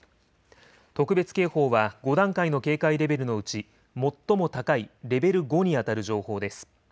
特別警報は、５段階の警戒レベルのうち最も高いレベル５に当たる情報です。